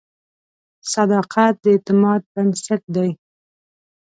صداقت د اعتماد بنسټ دی.